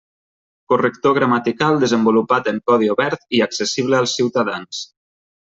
Corrector gramatical desenvolupat en codi obert i accessible als ciutadans.